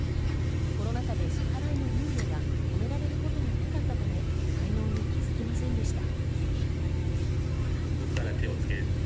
コロナ禍で支払いの猶予や止められることがなかったため滞納に気づきませんでした。